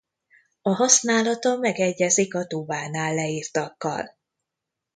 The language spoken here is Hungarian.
A használata megegyezik a tubánál leírtakkal.